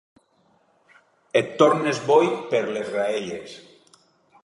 Et tornes boig per les graelles.